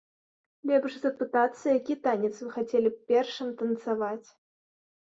Лепш запытацца, які танец вы хацелі б першым танцаваць.